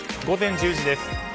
午前１０時です。